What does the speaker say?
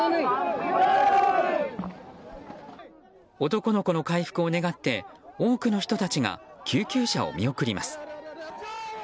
男の子の回復を願って多くの人たちが救急車を見送ります。